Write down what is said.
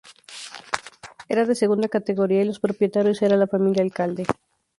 Era de segunda categoría y los propietarios era la familia "Alcalde".